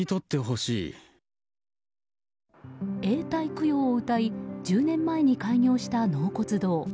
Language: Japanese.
永代供養をうたい１０年前に開業した納骨堂。